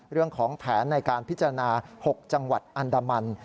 เรื่องของแผนในการพิจารณา๖จังหวัดอันดามัน